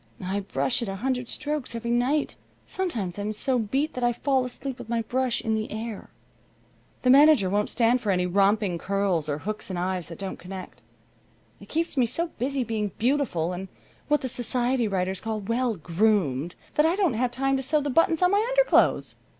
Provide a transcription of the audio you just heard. "I brush it a hundred strokes every night. Sometimes I'm so beat that I fall asleep with my brush in the air. The manager won't stand for any romping curls or hooks and eyes that don't connect. It keeps me so busy being beautiful, and what the society writers call 'well groomed,' that I don't have time to sew the buttons on my underclothes."